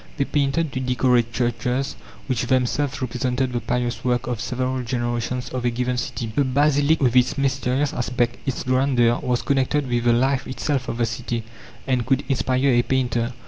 They painted to decorate churches which themselves represented the pious work of several generations of a given city. The basilic with its mysterious aspect, its grandeur, was connected with the life itself of the city, and could inspire a painter.